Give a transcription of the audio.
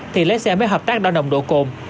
thì lái xe mới hợp tác đo nồng độ cồn